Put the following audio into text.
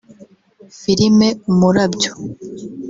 Filime Umurabyo